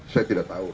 saya tidak tahu